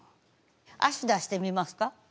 足出してみますか？